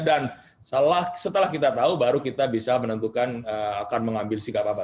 dan setelah kita tahu baru kita bisa menentukan akan mengambil sikap apa